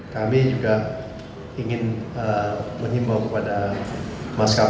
kami juga ingin mengimbau kepada masyarakat